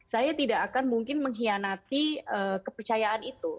saya tidak akan mungkin mengkhianati kepercayaan itu